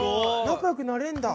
仲良くなれんだ！